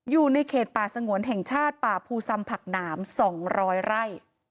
อยู่ในเขตป่าสงวนแห่งชาติป่าภูซำผักหนาม๒๐๐ไร่